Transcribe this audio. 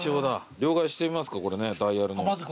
両替してみますかこれねダイヤル。